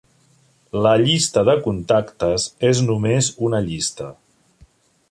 La llista de contactes és només una llista.